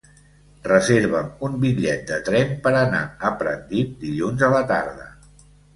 Reserva'm un bitllet de tren per anar a Pratdip dilluns a la tarda.